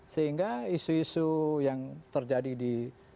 sehingga isu isu yang terjadi di